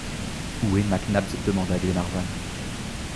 Où est Mac Nabbs? demanda Glenarvan.